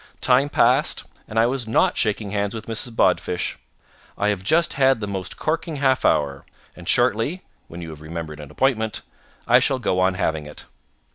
Time passed, and I was not shaking hands with Mrs. Bodfish. I have just had the most corking half hour, and shortly when you have remembered an appointment I shall go on having it.